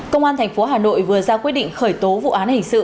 công an tp hà nội vừa ra quyết định khởi tố vụ án hình sự